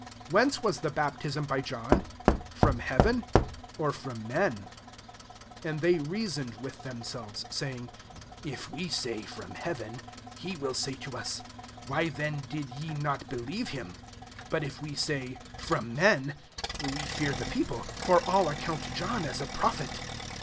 25 Whence was the baptism bjr John ? from heaven, • or firom men ?'' And they reason ed with themselves, saying, " If vc say, *From heaven,' he will say to us, * Why then did ye not believe him ?' 26 But if we say, fFrom men,' we fear the people : for all account John as a prophet."